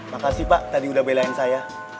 makasih pak tadi udah belain saya